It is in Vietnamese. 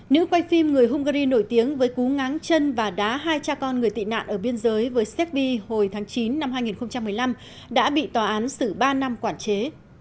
nữ quay phim người hungary nổi tiếng với cú ngáng chân và đá hai cha con người tị nạn ở biên giới với séc bi hồi tháng chín năm hai nghìn một mươi năm đã bị tòa án xử ba năm quản chế